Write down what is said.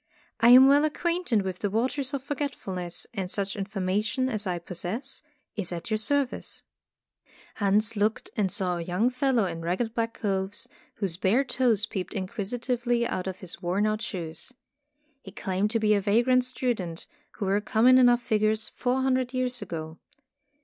"I am well acquainted with the Waters of Forget fulness and such information as I possess is at your service." Hans looked and saw a young fellow 146 Tales of Modern Germany in ragged black clothes, whose bare toes peeped inquisitively out from his worn out shoes. He claimed to be a vagrant student, who were common enough figures four hundred years ago.